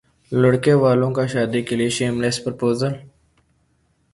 لڑکے والوں کا شادی کے لیےشیم لیس پرپوزل